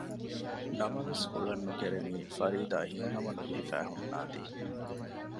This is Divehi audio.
ނަމަވެސް ގުޅަން ނުކެރެނީ ފަރީދާ ހިތްހަމަ ނުޖެހިފައި ހުންނާތީ